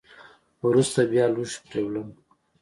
وروسته بیا لوښي پرېولم .